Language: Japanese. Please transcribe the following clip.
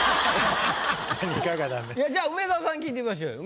じゃあ梅沢さんに聞いてみましょうよ。